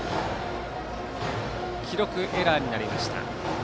記録エラーになりました。